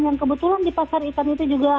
yang kebetulan di pasar ikan itu juga